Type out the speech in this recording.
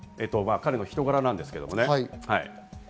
彼の人柄なんですけれども。